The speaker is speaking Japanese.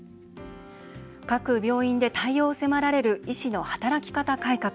各病院で対応を迫られる医師の働き方改革。